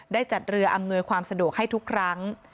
ได้จัดเรืออำนวยความสะดวกให้ทุกครั้ง